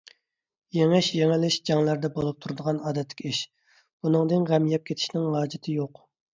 يېڭىش - يېڭىلىش جەڭلەردە بولۇپ تۇرىدىغان ئادەتتىكى ئىش، بۇنىڭدىن غەم يەپ كېتىشنىڭ ھاجىتى يوق.